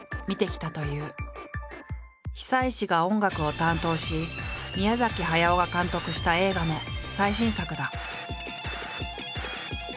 久石が音楽を担当し宮駿が監督した映画の最新作だ。